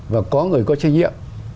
và có người có trách nhiệm